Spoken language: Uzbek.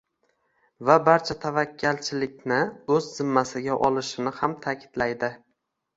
va barcha tavakkalchilikni o‘z zimmasiga olishini ham ta’kidlaydi.